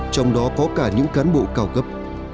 trong đó có cả những cán bộ cao cấp